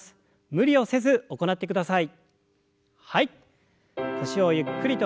無理をせず行ってください。